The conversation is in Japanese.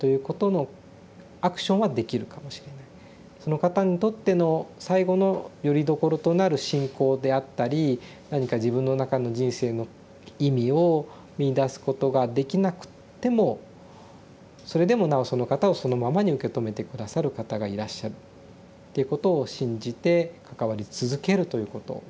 その方にとっての最後のよりどころとなる信仰であったり何か自分の中の人生の意味を見いだすことができなくってもそれでもなおその方をそのままに受け止めて下さる方がいらっしゃるっていうことを信じて関わり続けるということですね。